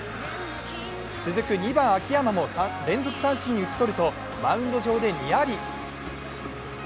続く２番・秋山も連続三振に打ち取るとマウンド上でニヤリ。